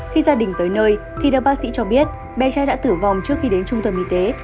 khi gia đình tới nơi thì bác sĩ cho biết bé trai đã tử vong trước khi đến trung tâm y tế